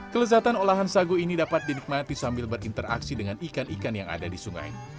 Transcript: kelezatan olahan sagu ini dapat dinikmati sambil berinteraksi dengan ikan ikan yang ada di sungai